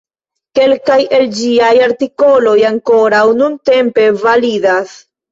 Kelkaj el ĝiaj artikoloj ankoraŭ nuntempe validas.